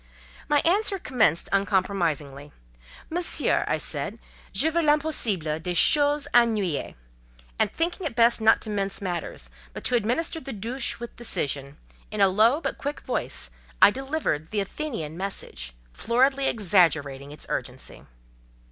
My answer commenced uncompromisingly: "Monsieur," I said, "je veux l'impossible, des choses inouïes;" and thinking it best not to mince matters, but to administer the "douche" with decision, in a low but quick voice, I delivered the Athenian message, floridly exaggerating its urgency.